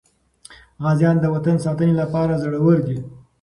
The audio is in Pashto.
غازیان د وطن د ساتنې لپاره زړور دي.